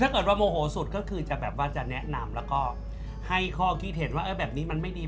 ถ้าเกิดว่าโมโหสุดก็จะแนะนำให้ข้อคิดเห็นว่าบางอย่างนี้ไม่ดี